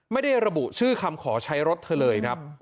ไม่ได้ระบุชื่อคำขอใช้รถเธอเลยครับ